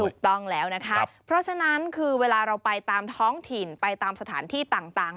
ถูกต้องแล้วนะคะเพราะฉะนั้นคือเวลาเราไปตามท้องถิ่นไปตามสถานที่ต่าง